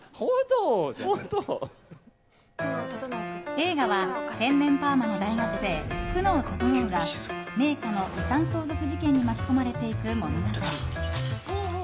映画は天然パーマの大学生久能整が名家の遺産相続事件に巻き込まれていく物語。